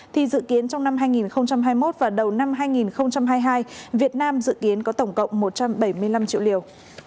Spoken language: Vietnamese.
thì dự kiến trong năm hai nghìn hai mươi một và đầu năm hai nghìn hai mươi hai việt nam dự kiến có tổng cộng một trăm bảy mươi năm triệu liều